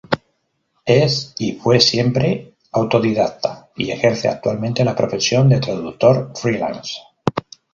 Es y fue siempre autodidacta, y ejerce actualmente la profesión de traductor "freelance".